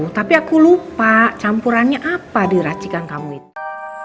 tapi aku lupa campurannya apa diracikan kamu itu